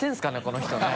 この人ね。